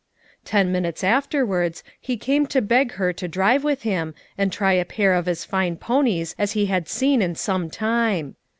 Ten minutes afterwards he came to beg her to drive with him and try a pair of as fine ponies as he had seen in some time.